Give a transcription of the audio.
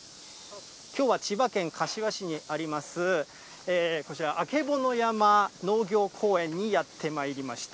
きょうは千葉県柏市にあります、こちら、あけぼの山農業公園にやってまいりました。